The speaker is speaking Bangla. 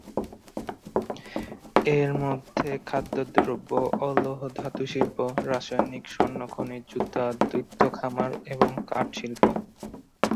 এর মধ্যে খাদ্যদ্রব্য, অ-লৌহ ধাতু শিল্প, রাসায়নিক, স্বর্ণ খনি, জুতা, দুগ্ধ খামার এবং কাঠ শিল্প।